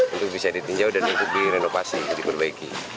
untuk bisa ditinjau dan untuk direnovasi diperbaiki